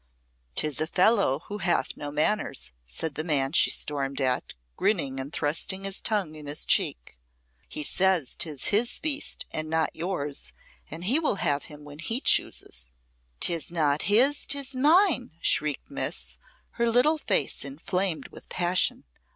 "'Tis a fellow who hath no manners," said the man she stormed at, grinning and thrusting his tongue in his cheek. "He says 'tis his beast, and not yours, and he will have him when he chooses." "'Tis not his 'tis mine!" shrieked Miss, her little face inflamed with passion.